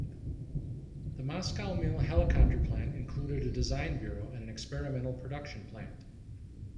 The Moscow Mil Helicopter Plant includes a design bureau and an experimental production plant.